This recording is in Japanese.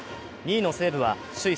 ２位の西武は首位